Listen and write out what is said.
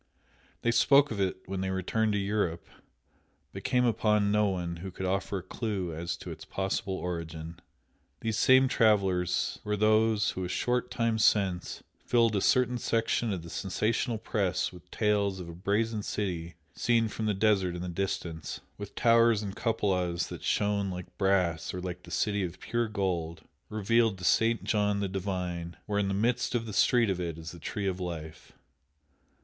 They spoke of it when they returned to Europe, but came upon no one who could offer a clue to its possible origin. These same travellers were those who a short time since filled a certain section of the sensational press with tales of a "Brazen City" seen from the desert in the distance, with towers and cupolas that shone like brass or like "the city of pure gold," revealed to St. John the Divine, where "in the midst of the street of it" is the Tree of Life.